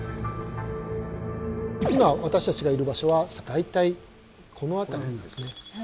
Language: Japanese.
今私たちがいる場所は大体この辺りになるんですね。